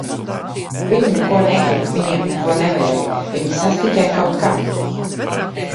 Viņi neko negrib, viņiem neko nevajag, viņi sastiķē kaut kam.